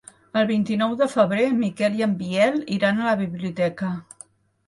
El vint-i-nou de febrer en Miquel i en Biel iran a la biblioteca.